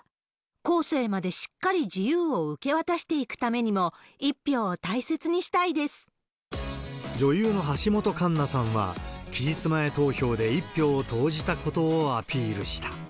後世までしっかり自由を受け渡していくためにも、一票を大切にし女優の橋本環奈さんは、期日前投票で一票を投じたことをアピールした。